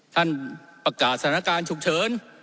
ท่านประกาศสถานการณ์ฉุกเฉิน